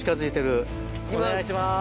お願いします。